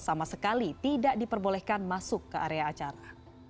sama sekali tidak diperbolehkan masuk ke area acara